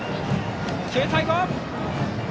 ９対５！